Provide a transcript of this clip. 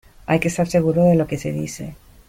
hay que estar seguro de lo que se dice,